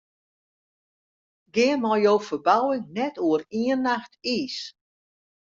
Gean mei jo ferbouwing net oer ien nacht iis.